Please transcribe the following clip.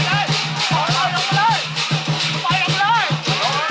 รอดตายแล้ว